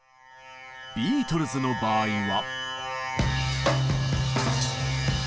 ビートルズの場合は。